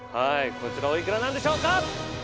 こちらおいくらなんでしょうか・